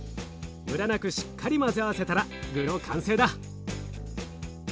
ムラなくしっかり混ぜ合わせたら具の完成だ。